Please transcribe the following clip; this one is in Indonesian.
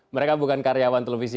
mereka bukan karyawan televisi